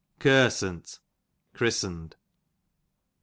fCersunt, christened.